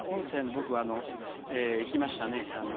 僕、行きましたね。